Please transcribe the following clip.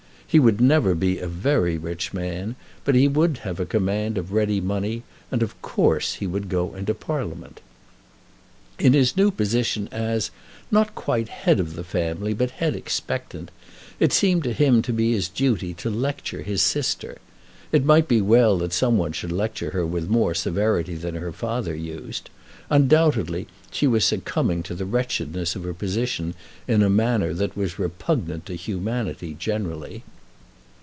He would never be a very rich man, but he would have a command of ready money, and of course he would go into Parliament. In his new position as, not quite head of his family, but head expectant, it seemed to him to be his duty to lecture his sister. It might be well that some one should lecture her with more severity than her father used. Undoubtedly she was succumbing to the wretchedness of her position in a manner that was repugnant to humanity generally.